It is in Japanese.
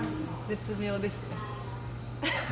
絶妙ですね。